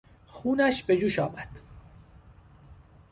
خونش به جوش آمد.